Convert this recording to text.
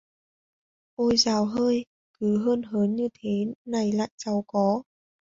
Ôi dào hơi cứ hơn hớn như thế này lại giàu có